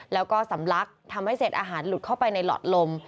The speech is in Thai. แล้วก็สำลักทำให้เศษอาหารหลุดเข้าไปในหลอดลม